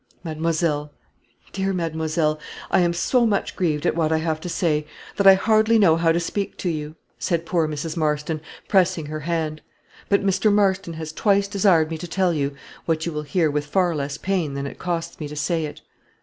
"Mademoiselle, dear mademoiselle, I am so much grieved at what I have to say, that I hardly know how to speak to you," said poor Mrs. Marston, pressing her hand; "but Mr. Marston has twice desired me to tell you, what you will hear with far less pain than it costs me to say it."